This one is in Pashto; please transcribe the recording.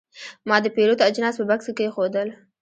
ما د پیرود اجناس په بکس کې کېښودل.